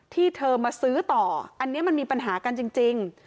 ที่เธอมาซื้อต่ออันนี้มันมีปัญหากันจริง